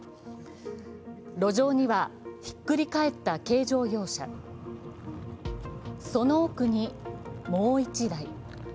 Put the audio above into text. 路上には、ひっくり返った軽乗用車その奥にもう１台。